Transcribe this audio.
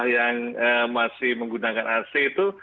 yang masih menggunakan ac itu